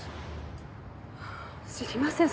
知りません